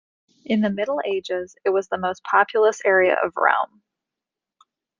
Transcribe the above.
In the Middle Ages, it was the most populous area of Rome.